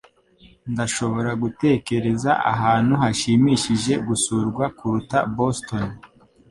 Ndashobora gutekereza ahantu hashimishije gusurwa kuruta Boston.